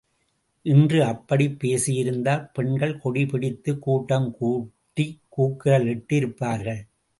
இன்று அப்படிப் பேசி இருந்தால் பெண்கள் கொடி பிடித்துக் கூட்டம் கூட்டிக் கூக்குரல் இட்டு இருப்பார்கள்.